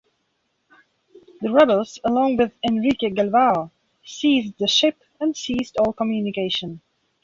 The rebels, along with Henrique Galvao, seized the ship and ceased all communication.